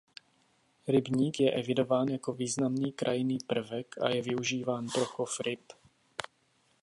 Rybník je evidován jako významný krajinný prvek a je využíván pro chov ryb.